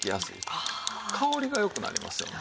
香りが良くなりますよね。